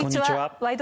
「ワイド！